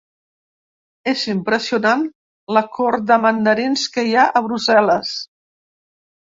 És impressionant la cort de mandarins que hi ha a Brussel·les.